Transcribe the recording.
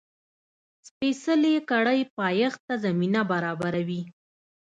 سپېڅلې کړۍ پایښت ته زمینه برابروي.